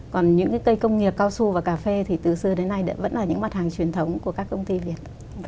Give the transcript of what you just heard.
còn những cái cây công nghiệp cao su và cà phê thì từ xưa đến nay vẫn là những mặt hàng truyền thống của các công ty việt